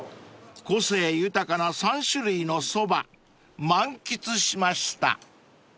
［個性豊かな３種類のそば満喫しました］